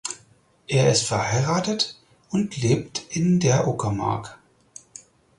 Er ist verheiratet und lebt in der Uckermark.